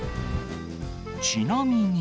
ちなみに。